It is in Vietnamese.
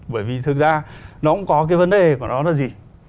bởi vì thực ra nó cũng có cái vấn đề của nó là gì